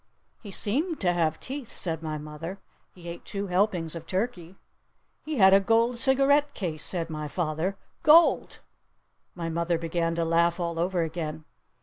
"He seemed to have teeth," said my mother. "He ate two helpings of turkey!" "He had a gold cigaret case!" said my father. "Gold!" My mother began to laugh all over again.